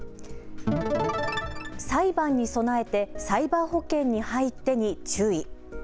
裁判に備えてサイバー保険に入ってに注意。